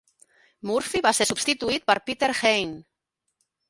Murphy va ser substituït per Peter Hain.